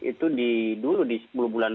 itu dulu di sepuluh bulan